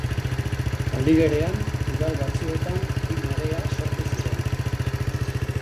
Aldi berean, udal batzuetan bi marea sortu ziren.